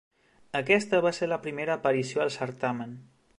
Aquesta va ser la seva primera aparició al certamen.